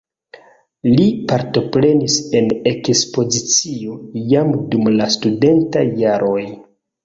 Li partoprenis en ekspozicio jam dum la studentaj jaroj.